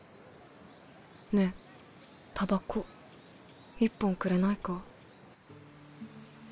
ねえタバコ１本くれないか？